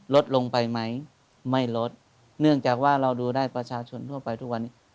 ลดลงไปไหมไม่ลดเนื่องจากว่าเราดูได้ประชาชนทั่วไปทุกวันนี้